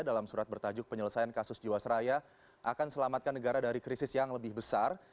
dalam surat bertajuk penyelesaian kasus jiwasraya akan selamatkan negara dari krisis yang lebih besar